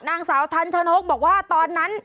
นางสาวทันชนกบอกว่าตอนนั้น